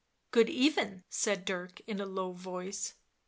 u Good even," said Dirk in a low voice.